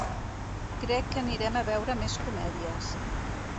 Crec que anirem a veure més comèdies.